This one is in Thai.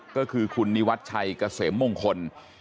ก็คือคุณนิวัชชัยเกษมมงคล